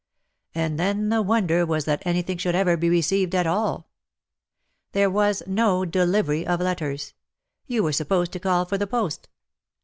And then the wonder was that anything should ever be received at all. There was no delivery of letters. You were supposed to call for the post.